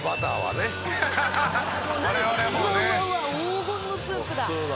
うわうわ黄金のスープだ。